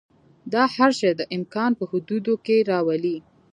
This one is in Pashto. دا هر شی د امکان په حدودو کې راولي.